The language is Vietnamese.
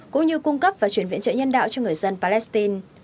cũng như cung cấp và chuyển viện trợ nhân đạo cho người dân palestine